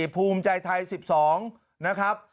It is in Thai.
ภูมิใจไทย๑๒นะครับ